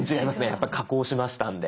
やっぱ加工しましたんで。